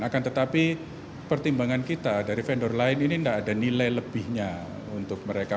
akan tetapi pertimbangan kita dari vendor lain ini tidak ada nilai lebihnya untuk mereka